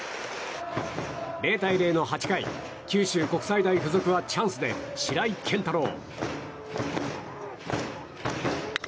０対０の８回、九州国際大はチャンスで白井賢太郎。